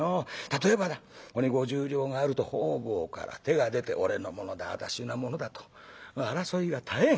例えばだここに５０両があると方々から手が出て俺のものだ私のものだと争いは絶えん。